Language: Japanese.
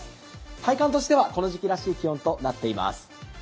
体感としてはこの時期らしい気温となっています。